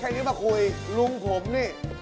นี้มาคุยลุงผมนี่